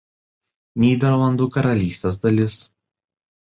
Nyderlandų Karalystės dalis.